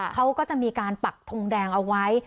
เขาก็จะมีการปักทงแดงเอาไว้